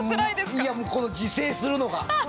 いやもうこの自制するのが。